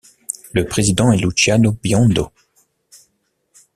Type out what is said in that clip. Le président est Luciano Biondo.